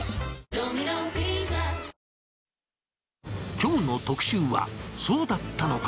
きょうの特集は、そうだったのか！